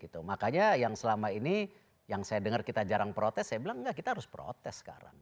makanya yang selama ini yang saya dengar kita jarang protes saya bilang enggak kita harus protes sekarang